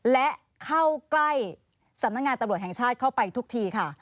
และเข้าใกล้สำนักงานตำรวจแห่งชาติเข้าไปทุกทีค่ะ